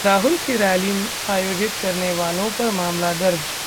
राहुल की रैली आयोजित करने वालों पर मामला दर्ज